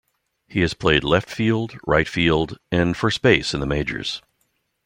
He has played left field, right field, and first base in the majors.